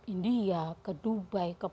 india ke dubai ke